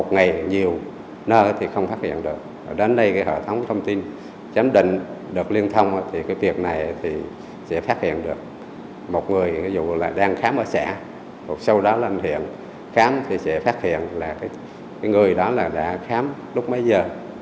sau đó lên hiện khám thì sẽ phát hiện là người đó đã khám lúc mấy giờ